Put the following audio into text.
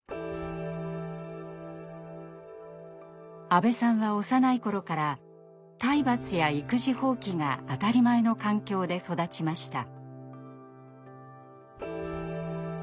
阿部さんは幼い頃から体罰や育児放棄が当たり前の環境で育ちました。